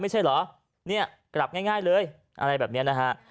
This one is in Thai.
ไม่ใช่เหรอเนี่ยกลับง่ายเลยอะไรแบบนี้นะฮะ